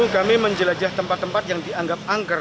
kami menjelajah tempat tempat yang dianggap angker